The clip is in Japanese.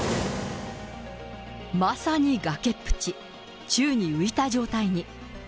まさに崖っぷち、宙に浮いた状態に。